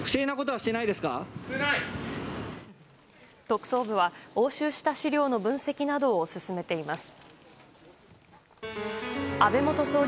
特捜部は押収した資料の分析などを進めています。